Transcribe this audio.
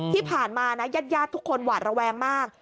ที่ผ่านมานะญาติทุกคนหวาดระแวงมาก